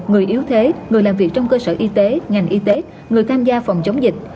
người yếu thế người làm việc trong cơ sở y tế ngành y tế người tham gia phòng chống dịch